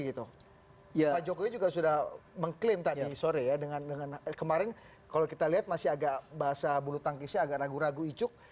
pak jokowi juga sudah mengklaim tadi sore ya dengan kemarin kalau kita lihat masih agak bahasa bulu tangkisnya agak ragu ragu icuk